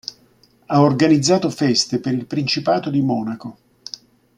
Ha organizzato feste per il Principato di Monaco.